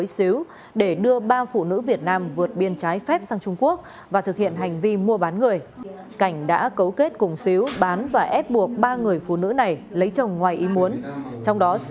xin chào các bạn